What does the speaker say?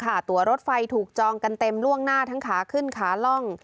ตัวรถไฟถูกจองกันเต็มล่วงหน้าทั้งขาขึ้นขาล่อง